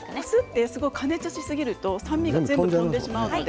お酢って加熱しすぎると酸味が飛んでしまうので。